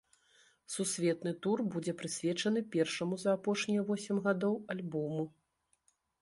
Сусветны тур будзе прысвечаны першаму за апошнія восем гадоў альбому.